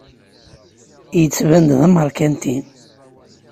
Yettban-d d ameṛkanti.